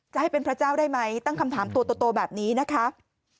ให้เป็นพระเจ้าได้ไหมตั้งคำถามตัวโตแบบนี้นะคะ